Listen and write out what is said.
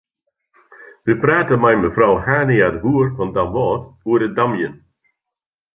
We prate mei mefrou Hania-de Boer fan Damwâld oer it damjen.